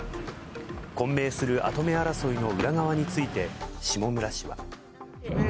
混迷する跡目争いの裏側について、下村氏は。